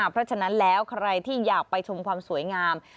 เป็นวันแรกที่บันเกิดเทยองเป็นวันที่วันแรก